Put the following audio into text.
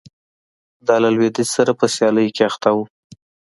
دا له لوېدیځ سره په سیالۍ کې اخته و